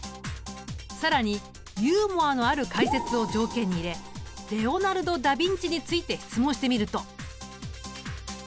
更にユーモアのある解説を条件に入れレオナルド・ダ・ヴィンチについて質問してみると。